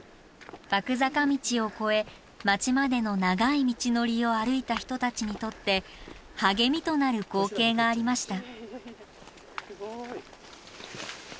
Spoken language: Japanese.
麦坂道を越え町までの長い道のりを歩いた人たちにとって励みとなる光景がありました。